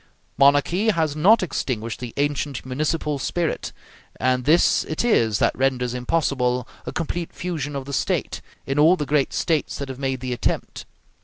Monarchy has not extinguished the ancient municipal spirit, and this it is that renders impossible a complete fusion of the State, in all the great States that have made the attempt.